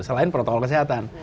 selain protokol kesehatan